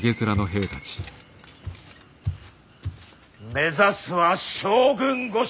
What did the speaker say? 目指すは将軍御所！